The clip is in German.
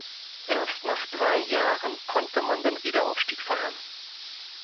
Erst nach drei Jahren konnte man den Wiederaufstieg feiern.